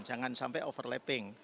jangan sampai overlapping